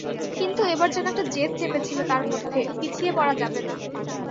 কিন্তু এবার যেন একটা জেদ চেপেছিল তাঁর মধ্যে, পিছিয়ে পড়া যাবে না।